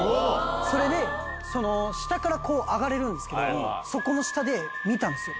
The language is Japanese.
それで下からこう上がれるんですけどそこの下で見たんですよ。